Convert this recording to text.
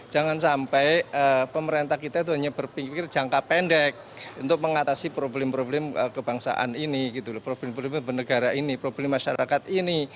jangan sampai pemerintah kita hanya berpikir pikir jangka pendek untuk mengatasi problem problem kebangsaan ini problem problem benegara ini problem masyarakat ini